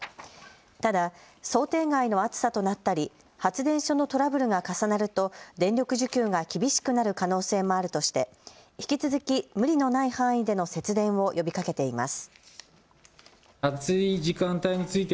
ただ想定外の暑さとなったり発電所のトラブルが重なると電力需給が厳しくなる可能性もあるとして引き続き無理のない範囲での節電を呼びかけています。